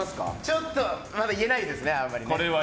ちょっとまだ言えないですね。